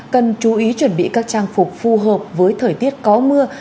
cần chú ý chuẩn bị các trang phục phù hợp với thời tiết có mưa